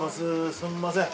すみません。